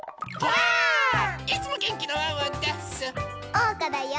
おうかだよ！